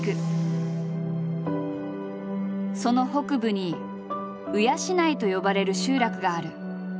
その北部に鵜養と呼ばれる集落がある。